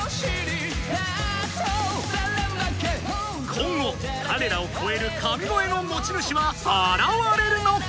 今後彼らを超える神声の持ち主は現れるのか⁉